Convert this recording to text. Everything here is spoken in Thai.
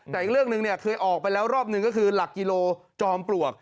แต่อีกเรื่องหนึ่งเนี่ยเคยออกไปแล้วรอบหนึ่งก็คือหลักกิโลจอมปลวก